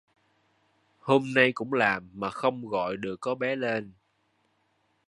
Hôm nay cũng làm mà không gọi được có bé lên